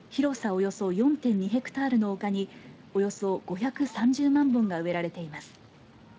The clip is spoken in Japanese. およそ４．２ヘクタールの丘におよそ５３０万本が植えられています。